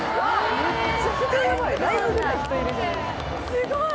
すごい！